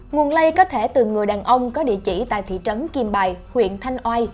nguồn lây có thể từ người đàn ông có địa chỉ tại thị trấn kim bài huyện thanh oai